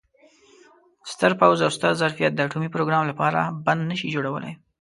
ستر پوځ او ستر ظرفیت د اټومي پروګرام لپاره بند نه شي جوړولای.